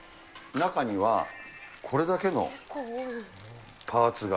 中にはこれだけのパーツが。